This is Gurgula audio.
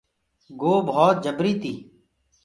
گو ڀوت جبري تي۔